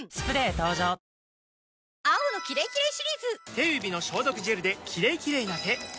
手指の消毒ジェルで「キレイキレイ」な手